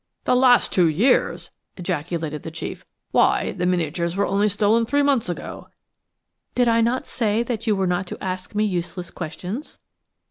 "The last two years!" ejaculated the chief, "why, the miniatures were only stolen three months ago." "Did I not say that you were not to ask me useless questions?"